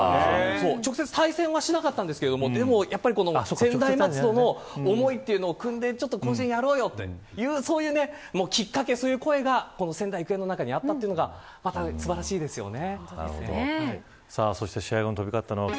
直接、対戦はしなかったんですけど専大松戸の思いというのを組んで甲子園やろうよというきっかけ、声が仙台育英の中にあったというのが素晴らしいですよね。